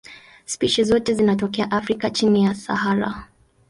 Spishi zote zinatokea Afrika chini ya Sahara.